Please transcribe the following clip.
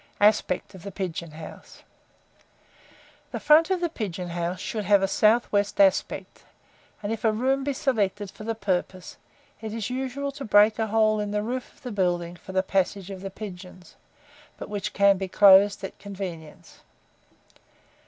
ASPECT OF THE PIGEON HOUSE. The front of the pigeon house should have a southwest aspect, and, if a room be selected for the purpose, it is usual to break a hole in the roof of the building for the passage of the pigeons, but which can be closed at convenience.